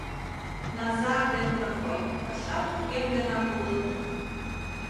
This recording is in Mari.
Назар ден Прокой паша вургем денак улыт.